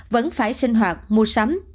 vẫn phải sinh hoạt mua sắm